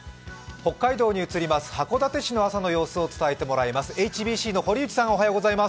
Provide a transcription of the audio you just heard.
北海道の函館の朝の様子を伝えてもらいます。